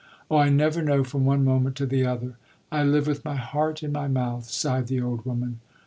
"Oh I never know from one moment to the other I live with my heart in my mouth," sighed the old woman.